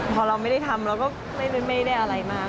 พอเราไม่ได้ทำเราก็ไม่ได้อะไรมาก